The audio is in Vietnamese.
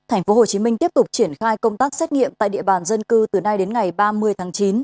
tp hcm tiếp tục triển khai công tác xét nghiệm tại địa bàn dân cư từ nay đến ngày ba mươi tháng chín